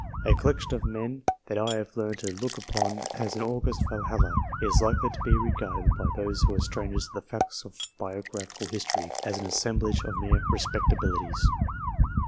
A collection of men that I have learned to look upon as an august Valhalla, is likely to be regarded, by those who are strangers to the facts of biographical history, as an assemblage of mere respectabilities.